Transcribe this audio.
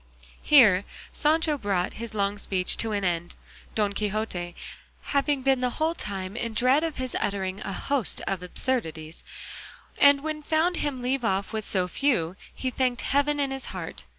Here Sancho brought his long speech to an end, Don Quixote having been the whole time in dread of his uttering a host of absurdities; and when he found him leave off with so few, he thanked heaven in his heart.